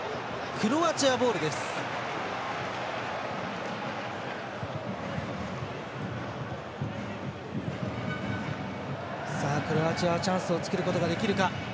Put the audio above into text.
クロアチアはチャンスを作ることができるか。